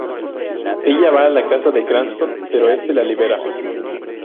Ella va a la casa de Cranston, pero este la libera.